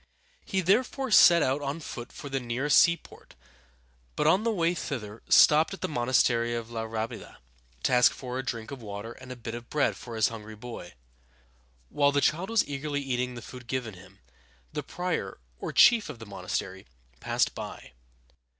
He therefore set out on foot for the nearest seaport, but on the way thither stopped at the monastery of La Rábida (rah´be dah) to ask for a drink of water and a bit of bread for his hungry boy. While the child was eagerly eating the food given him, the prior, or chief of the monastery, passed by.